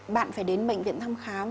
bạn phải đến bệnh viện thăm khám